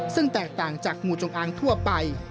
ซึ่งแตกต่างจากงูจงอางทั่วไป